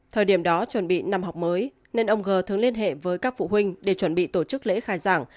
thời điểm đó chuẩn bị năm học mới nên ông g thường liên hệ với các phụ huynh để chuẩn bị tổ chức lễ khai giảng